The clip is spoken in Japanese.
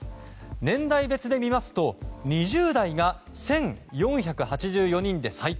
年代別で見ますと２０代が１４８４人で最多。